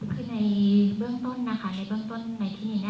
คือในเบื้องต้นนะคะในเบื้องต้นในที่นี้